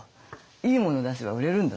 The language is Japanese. いいもの出せば売れるんだと。